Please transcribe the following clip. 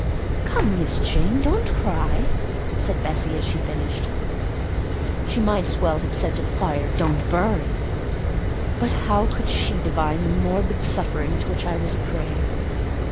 "Come, Miss Jane, don't cry," said Bessie as she finished. She might as well have said to the fire, "don't burn!" but how could she divine the morbid suffering to which I was a prey?